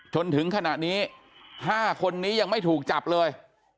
จนถึงขณะนี้๕คนนี้ยังไม่ถูกจับเลย